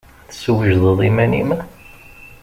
Teswejdeḍ iman-im?